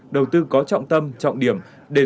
đầu tư có trọng tâm trọng điểm